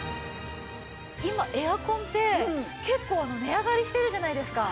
今エアコンって結構値上がりしてるじゃないですか。